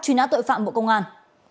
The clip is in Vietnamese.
truy nã tội phạm bộ công an